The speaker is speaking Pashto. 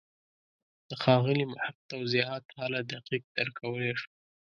د ښاغلي محق توضیحات هله دقیق درک کولای شو.